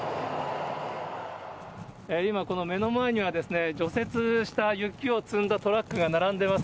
今、この目の前には、除雪した雪を積んだトラックが並んでます。